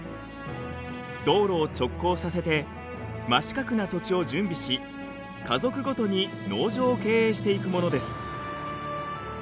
道路を直交させて真四角な土地を準備し家族ごとに農場を経営していくものです。